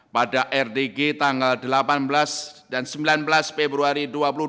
pada rdg tanggal delapan belas dan sembilan belas februari dua ribu dua puluh